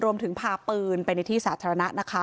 รวมถึงพาปืนไปในสาธารณะ